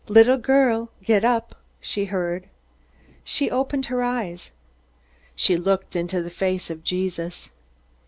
"Little girl, get up!" she heard. She opened her eyes. She looked into the face of Jesus.